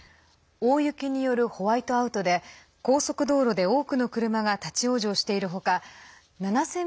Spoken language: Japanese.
大雪によるホワイトアウトで高速道路で多くの車が立往生している他７０００